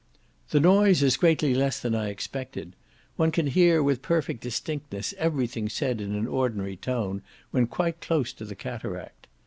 The noise is greatly less than I expected; one can hear with perfect distinctness everything said in an ordinary tone, when quite close to the cataract.